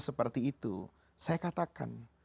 seperti itu saya katakan